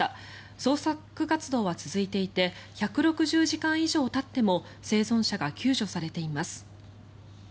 捜索活動は続いていて１６０時間以上たっても生存者が救助されています。